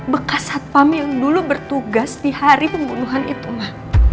bekas satpam yang dulu bertugas di hari pembunuhan itu mah